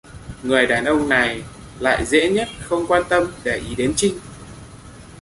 Người đàn ông này lại dễ nhất không quan tâm để ý đến chinh